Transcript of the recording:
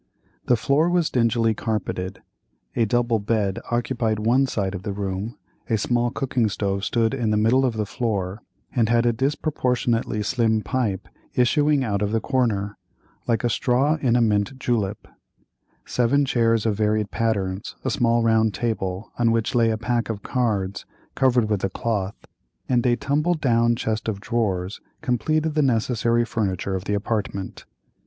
The floor was dingily carpeted; a double bed occupied one side of the room, a small cooking stove stood in the middle of the floor and had a disproportionately slim pipe issuing out of the corner, like a straw in a mint julep; seven chairs of varied patterns, a small round table, on which lay a pack of cards covered with a cloth, and a tumble down chest of drawers completed the necessary furniture of the apartment.